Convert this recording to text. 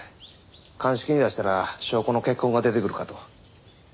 鑑識に出したら証拠の血痕が出てくるかと。